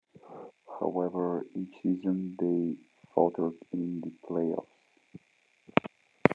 However each season they faltered in the playoffs.